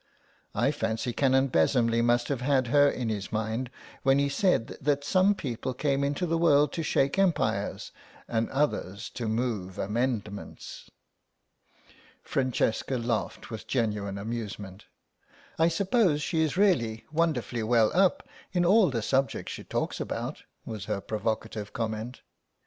I fancy Canon Besomley must have had her in his mind when he said that some people came into the world to shake empires and others to move amendments." Francesca laughed with genuine amusement. "I suppose she is really wonderfully well up in all the subjects she talks about," was her provocative comment.